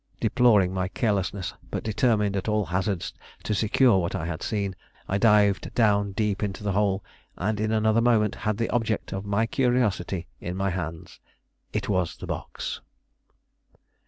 Deploring my carelessness, but determined at all hazards to secure what I had seen, I dived down deep into the hole, and in another moment had the object of my curiosity in my hands. It was the box!